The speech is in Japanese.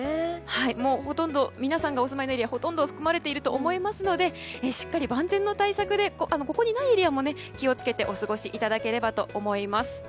皆さんのお住まいのエリアほとんど含まれていると思いますのでしっかり万全の対策でここにないエリアの方も気を付けてお過ごしいただければと思います。